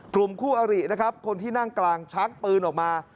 กลุ่มคู่อรินะครับคนที่นั่งกลางชักปืนออกมา